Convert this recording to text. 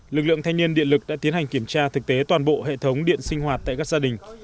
lực lượng thanh niên điện lực đã tiến hành kiểm tra thực tế toàn bộ hệ thống điện sinh hoạt tại các gia đình